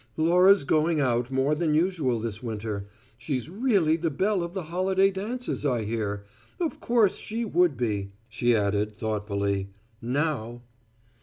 Laura's `going out' more than usual this winter. She's really the belle of the holiday dances, I hear. Of course she would be", she added, thoughtfully "now."